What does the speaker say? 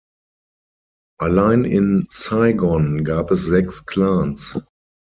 Allein in Saigon gab es sechs Clans.